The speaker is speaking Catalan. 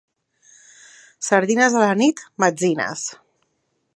Sardines a la nit, metzines.